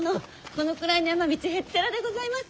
このくらいの山道へっちゃらでございます！